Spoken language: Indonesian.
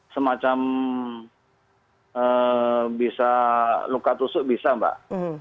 semacam bisa luka tusuk bisa mbak